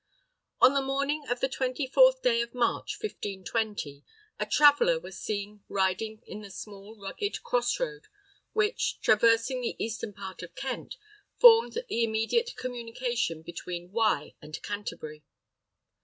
On the morning of the 24th day of March, 1520, a traveller was seen riding in the small, rugged cross road which, traversing the eastern part of Kent, formed the immediate communication between Wye and Canterbury.